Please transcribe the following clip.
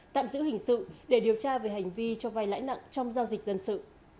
tạm giữ hình sự để điều tra về hành vi cho vai lãi nặng trong giao dịch dân sự